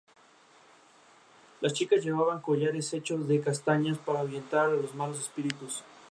Las chicas llevaban collares hechos de castañas para ahuyentar a los malos espíritus.